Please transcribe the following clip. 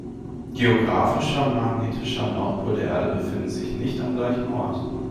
Geographischer und magnetischer Nordpol der Erde befinden sich nicht am gleichen Ort.